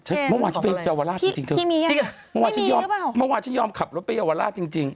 เมื่อวานฉันไปเยาวราชจริงเมื่อวานฉันยอมขับรถไปเยาวราชจริง